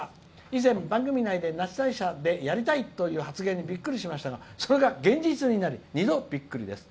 以前、番組内で那智大社でやりたいという発言びっくりしましたがそれが現実になり二度びっくりです。